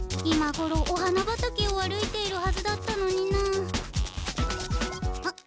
今ごろお花畑を歩いているはずだったのになあ。